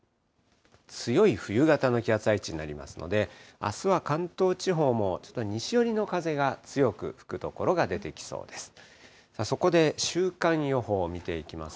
強い冬型の気圧配置になりますので、あすは関東地方もちょっと西寄りの風が強く吹く所が出てきそうです。